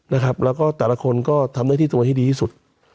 แล้วก็แต่ละคนก็ทำได้ที่ตัวให้ดีที่สุด